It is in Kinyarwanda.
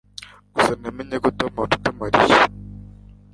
Gusa namenye ko Tom aruta Mariya